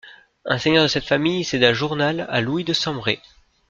Un seigneur de cette famille céda Journal à Louis de Samré.